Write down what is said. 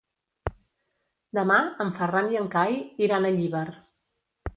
Demà en Ferran i en Cai iran a Llíber.